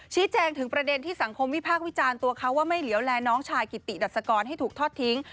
ชี้แจงถึงประเด็นที่สังคมวิพากษ์วิจารณ์ตัวเขาว่าไม่เหลียวแลน้องชายกิติดัศกรให้ถูกทอดทิ้ง